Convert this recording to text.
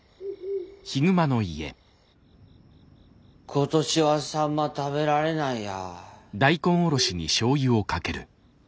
今年はさんま食べられないや。